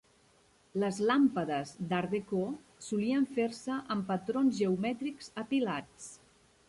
Les làmpades d'Art Deco solien fer-ser amb patrons geomètrics apilats.